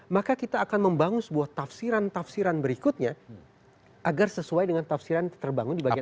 maka kita akan membangun sebuah tafsiran tafsiran berikutnya agar sesuai dengan tafsiran terbangun di bagian